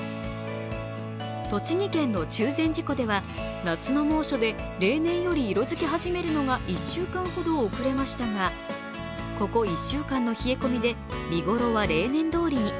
栃木県の中禅寺湖では夏の猛暑で例年より色づき始めるのが１週間ほど遅れましたが、ここ１週間の冷え込みで見頃は例年通りに。